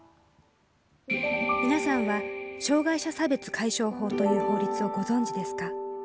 皆さんは障害者差別解消法という法律をご存じですか。